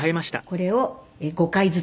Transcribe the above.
これを５回ずつ。